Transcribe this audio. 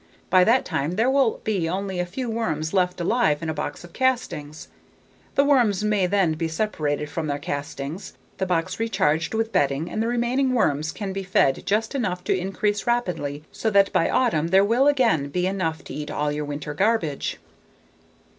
By that time there will be only a few worms left alive in a box of castings. The worms may then be separated from their castings, the box recharged with bedding and the remaining worms can be fed just enough to increase rapidly so that by autumn there will again be enough to eat all your winter garbage.